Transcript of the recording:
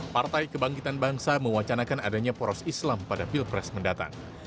partai kebangkitan bangsa mewacanakan adanya poros islam pada pilpres mendatang